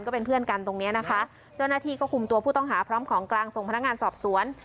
ก็เป็นเพื่อนกันตรงเนี้ยนะคะเจ้าหน้าที่ก็คุมตัวผู้ต้องหาพร้อมของกลางส่งพนักงานสอบสวน